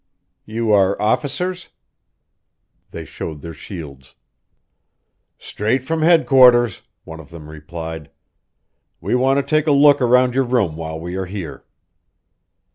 "You are officers?" They showed their shields. "Straight from headquarters," one of them replied. "We want to take a look around your room while we are here."